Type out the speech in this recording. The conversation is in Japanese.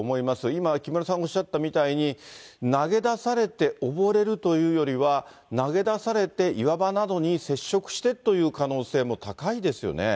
今、木村さんがおっしゃったみたいに、投げ出されておぼれるというよりは、投げ出されて岩場などに接触してという可能性も高いですよね。